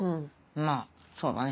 まぁそうだね。